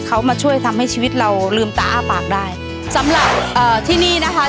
เขามาช่วยทำให้ชีวิตเราลืมตาอ้าปากได้สำหรับเอ่อที่นี่นะคะ